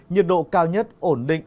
nhiệt độ cao nhất ổn định